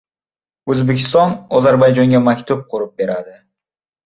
O‘zbekiston Ozarbayjonga maktab qurib beradi